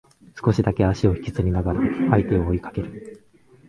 少しだけ足を引きずりながらも相手を追いかける